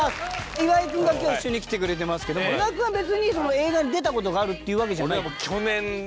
岩井くんが今日一緒に来てくれてますけど岩井くんは別に映画に出た事があるっていうわけじゃない？